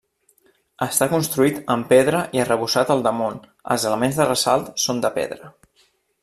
Està construït amb pedra i arrebossat al damunt, els elements de ressalt són de pedra.